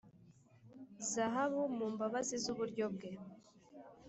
zahabu mu mbabazi z'uburyo bwe,